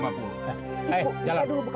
buka dulu buka dulu